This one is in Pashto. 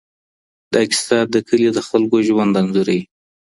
دا کيسه د کلي د خلګو ژوند انځوروي.